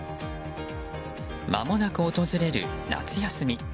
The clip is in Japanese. まもなく訪れる夏休み。